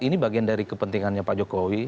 ini bagian dari kepentingannya pak jokowi